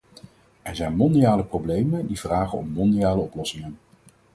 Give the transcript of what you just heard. Er zijn mondiale problemen die vragen om mondiale oplossingen.